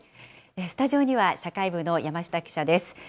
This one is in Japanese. スタジオには社会部の山下記者です。